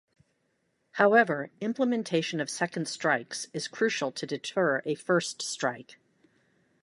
However, implementation of second strikes is crucial to deter a first strike.